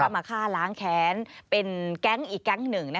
มาฆ่าล้างแค้นเป็นแก๊งอีกแก๊งหนึ่ง